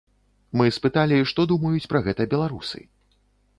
Мы спыталі, што думаюць пра гэта беларусы.